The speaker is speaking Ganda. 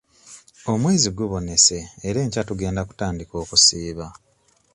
Omwezi gubonese era enkya tugenda kutandika okusiiba.